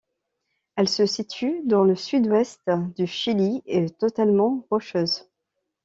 Elle se situe dans le Sud-Ouest du Chili et est totalement rocheuse.